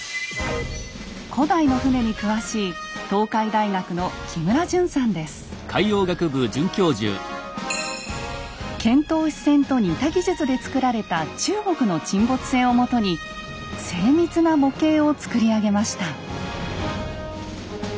古代の船に詳しい遣唐使船と似た技術で造られた中国の沈没船をもとに精密な模型を作り上げました。